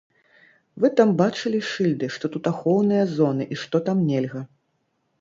Вы там бачылі шыльды, што тут ахоўныя зоны і што там нельга?